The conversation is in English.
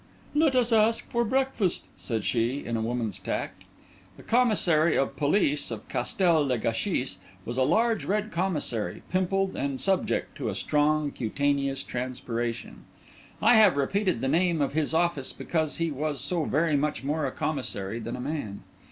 "Let us ask for breakfast," said she, with a woman's tact. The Commissary of Police of Castel le Gâchis was a large red Commissary, pimpled, and subject to a strong cutaneous transpiration. I have repeated the name of his office because he was so very much more a Commissary than a man.